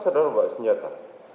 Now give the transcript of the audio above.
saudara bawa senjata